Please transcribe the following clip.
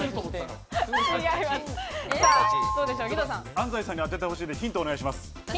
安斉さんに当てて欲しいんでヒントお願いします。